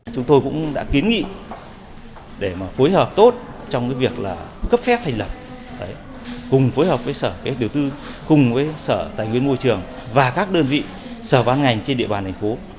chúng tôi cũng đã kiến nghị để phối hợp tốt trong việc cấp phép thành lập cùng phối hợp với sở tiểu tư cùng với sở tài nguyên môi trường và các đơn vị sở văn ngành trên địa bàn hành phố